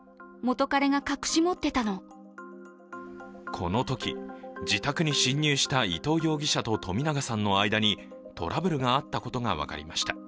このとき、自宅に侵入した伊藤容疑者と冨永さんの間にトラブルがあったことが分かりました。